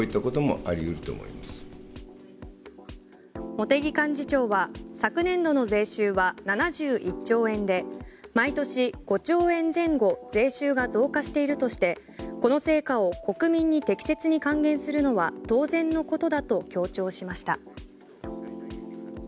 茂木幹事長は昨年度の税収は７１兆円で、毎年５兆円前後税収が増加しているとしてこの成果を国民に適切に還元するのは当然のことだと強調しました。